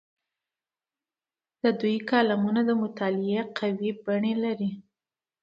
د دوی کالمونه د مطالعې قوي بڼې لري.